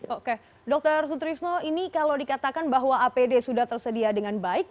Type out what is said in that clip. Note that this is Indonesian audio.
oke dr sutrisno ini kalau dikatakan bahwa apd sudah tersedia dengan baik